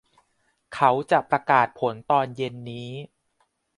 เขาจะประกาศผลตอนเย็นนี้